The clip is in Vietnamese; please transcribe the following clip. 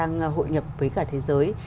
chúng ta đang hội nhập với cả thế giới